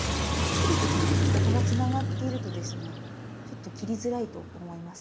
切る時にここがつながっているとですねちょっと切りづらいと思いますので。